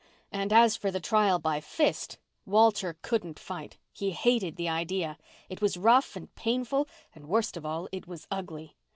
And as for the trial by fist, Walter couldn't fight. He hated the idea. It was rough and painful—and, worst of all, it was ugly.